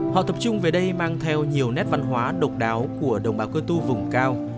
họ tập trung về đây mang theo nhiều nét văn hóa độc đáo của đồng bào cơ tu vùng cao